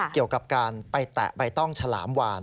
เกี่ยวกับการไปแตะใบต้องฉลามวาน